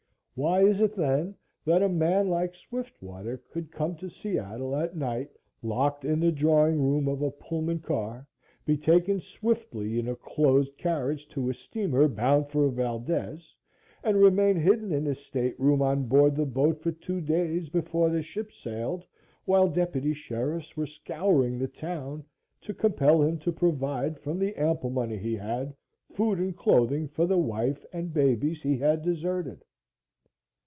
Why is it, then, that a man like Swiftwater could come to Seattle at night locked in the drawing room of a Pullman car, be taken swiftly in a closed carriage to a steamer bound for Valdez, and remain hidden in his stateroom on board the boat for two days before the ship sailed, while deputy sheriffs were scouring the town to compel him to provide from the ample money he had, food and clothing for the wife and babies he had deserted?